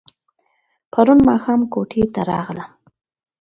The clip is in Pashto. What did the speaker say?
پرون ماښام کوټې ته راغلم.